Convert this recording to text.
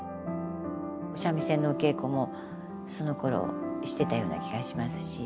お三味線のお稽古もそのころしてたような気がしますし。